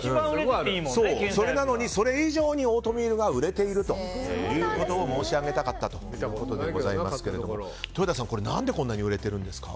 それなのに、それ以上にオートミールが売れているということを申し上げたかったということでございますが豊田さん、何でこんなに売れているんですか？